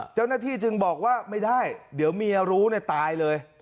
เจ้าหน้าที่จึงบอกว่าไม่ได้เดี๋ยวเมียรู้ตายเลย